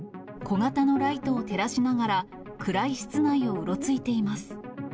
小型のライトを照らしながら、暗い室内をうろついています。